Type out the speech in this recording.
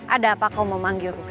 ada apa kau mau manggilkan